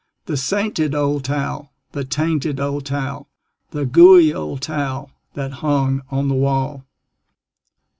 The sainted old towel, the tainted old towel, The gooey old towel that hung on the wall.